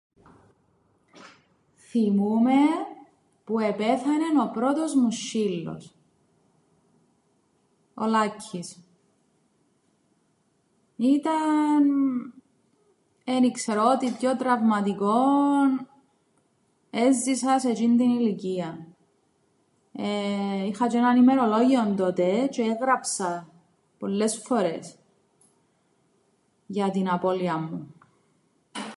Θθυμούμαι που επέθανεν ο πρώτος μου σ̆σ̆ύλλος, ο Λάκκης. Ήταν, εν ι-ξέρω, ό,τι πιο τραυματικόν έζησα σε τžείντην ηλικίαν. Είχα τžι έναν ημερολόγιον τότε τžαι έγραψα πολλές φορές για την απώλειαν μου.